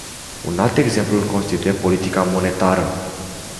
Un alt exemplu îl constituie politica monetară.